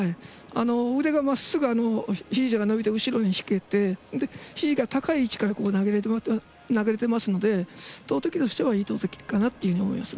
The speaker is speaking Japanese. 腕がまっすぐ伸びててひじが高い位置から投げられていますので投てきとしてはいい投てきかなと思います。